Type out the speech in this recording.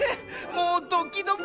もうドキドキ！